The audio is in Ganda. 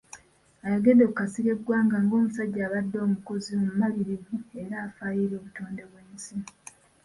Ayogedde ku Kasirye Ggwanga ng'omusajja abadde omukozi, omumalirivu era afaayo eri obutonde bw'ensi.